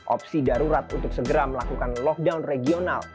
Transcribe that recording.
opsi darurat untuk segera melakukan lockdown regional